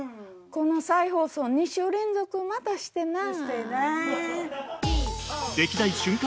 この再放送２週連続またしてなあ。